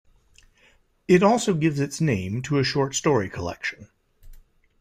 It also gives its name to a short story collection.